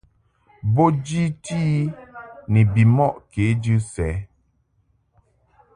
Bo jiti i ni bimɔʼ kejɨ sɛ.